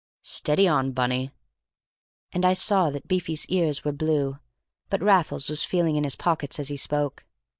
"Steady on, Bunny!" And I saw that Beefy's ears were blue; but Raffles was feeling in his pockets as he spoke.